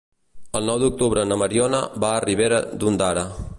El nou d'octubre na Mariona va a Ribera d'Ondara.